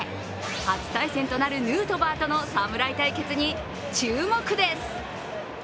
初対戦となるヌートバーとの侍対決に注目です。